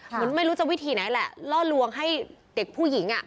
ไม่รู้จะวิธีไหนแหละล่อลวงให้เด็กผู้หญิงอ่ะ